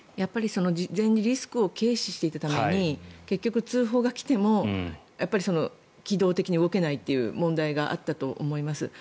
事前にリスクを軽視していたために通報が来ても機動的に動けないという問題があったと思います。